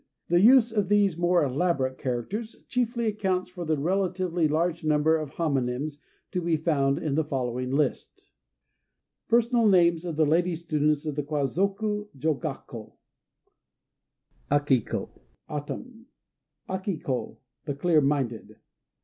The use of these more elaborate characters chiefly accounts for the relatively large number of homonyms to be found in the following list: PERSONAL NAMES OF LADY STUDENTS OF THE KWAZOKU JOGAKKÔ Aki ko "Autumn." Aki ko "The Clear Minded."